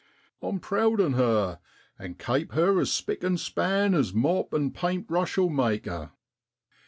I'm proud on her, and kape her as spick and span as mop an' paint brush'll make her.